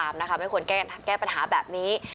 พี่บ้านไม่อยู่ว่าพี่คิดดูด